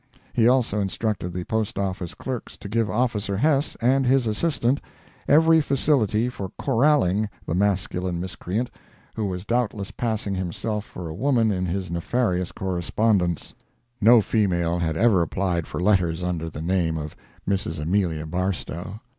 He also instructed the Post Office clerks to give Officer Hess and his assistant every facility for corralling the masculine miscreant who was doubtless passing himself for a woman in his nefarious correspondence; (no female had ever applied for letters under the name of Mrs. Amelia Barstow.)